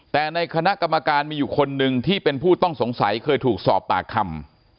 แต่ในคณะกรรมการมีอยู่คนหนึ่งที่เป็นผู้ต้องสงสัยเคยถูกสอบปากคำ